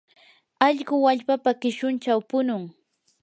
allqu wallpapa qishunchaw punun.